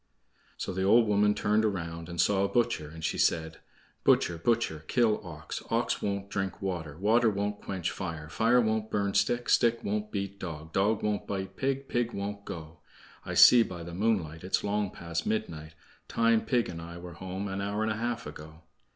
So the old woman turned around and saw a butcher, and she said: "Butcher, butcher, kill ox; Ox won't drink water; Water won't quench fire; Fire won't burn stick; Stick won't beat dog; Dog won't bite pig; Pig won't go. I see by the moonlight It's long past midnight; Time pig and I were home an hour and a half ago."